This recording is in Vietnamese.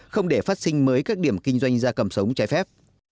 không để phát sinh mới các điểm kinh doanh gia cầm sống trái phép